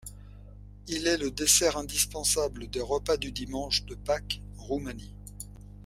Il est le dessert indispensable des repas du dimanche de Pâques en Roumanie.